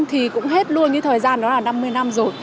thì cũng hết luôn như thời gian đó là năm mươi năm rồi